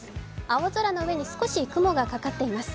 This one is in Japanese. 青空の上に少し雲がかかっています。